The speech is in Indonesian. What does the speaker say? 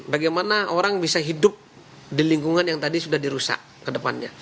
bagaimana orang bisa hidup di lingkungan yang tadi sudah dirusak ke depannya